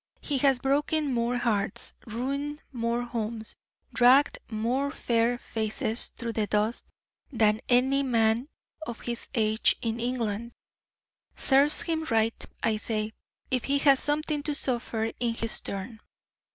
He has broken more hearts, ruined more homes, dragged more fair faces through the dust, than any man of his age in England. Serves him right, I say, if he has something to suffer in his turn."